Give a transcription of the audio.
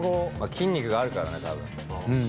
筋肉があるからね多分。